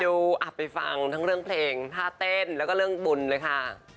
เดี๋ยวไปฟังทั้งเรื่องเพลงท่าเต้นแล้วก็เรื่องบุญเลยค่ะ